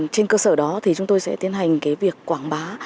trên cơ sở đó thì chúng tôi sẽ tiến hành cái việc quảng bá